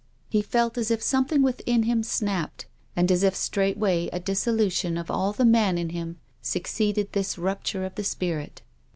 He felt as if something within him snapped, and as if straightway a dissolution of all the man in him succeeded this rupture of the spirit.